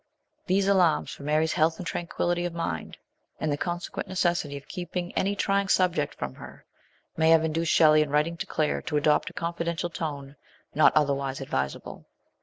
These alarms for Mary's health and tranquillity of mind, and the consequent necessity of keeping any trying subject from her, may have induced Shelley in writing to Claire to adopt a confidential tone not otherwise advisable.